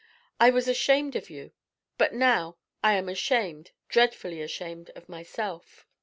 I was ashamed of you; but now I am ashamed, dreadfully ashamed, of myself.